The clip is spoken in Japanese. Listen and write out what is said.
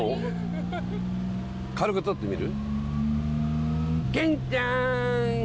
軽く撮ってみる？